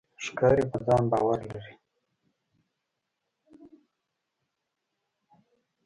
ښکاري په ځان باور لري.